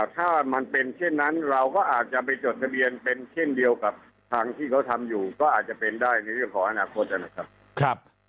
ถ้ามันเป็นเช่นนั้นเราก็อาจจะไปจดทะเบียนเป็นเช่นเดียวกับทางที่เขาทำอยู่ก็อาจจะเป็นได้ในเรื่องของอนาคตนะครับ